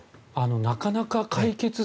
なかなか解決策